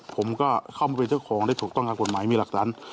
ผมก็เข้ามาไปเที่ยวของได้ถูกต้องกับกฎหมายมีหลักร้าน